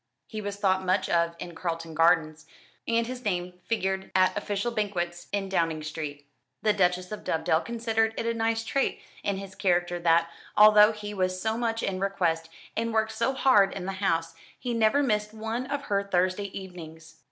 He was thought much of in Carlton Gardens, and his name figured at official banquets in Downing Street. The Duchess of Dovedale considered it a nice trait in his character that, although he was so much in request, and worked so hard in the House, he never missed one of her Thursday evenings.